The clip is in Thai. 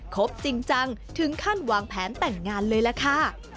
บจริงจังถึงขั้นวางแผนแต่งงานเลยล่ะค่ะ